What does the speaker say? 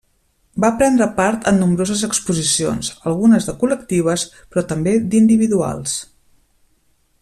Va prendre part en nombroses exposicions, algunes de col·lectives, però també d'individuals.